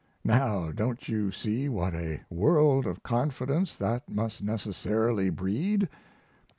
Now, don't you see what a world of confidence that must necessarily breed?